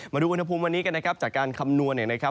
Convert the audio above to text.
มาดูอุณหภูมิวันนี้กันนะครับจากการคำนวณเนี่ยนะครับ